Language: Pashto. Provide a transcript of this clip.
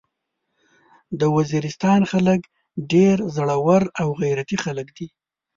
د وزيرستان خلک ډير زړور او غيرتي خلک دي.